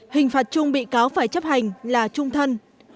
hình phạt chung bị cáo phải chấp hành là trung thân